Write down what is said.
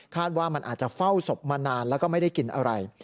ว่ามันอาจจะเฝ้าศพมานานแล้วก็ไม่ได้กินอะไร